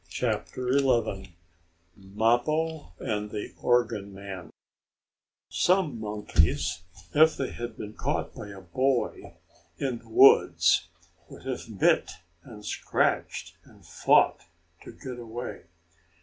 CHAPTER XI MAPPO AND THE ORGAN MAN Some monkeys, if they had been caught by a boy, in the woods, would have bit and scratched and fought to get away.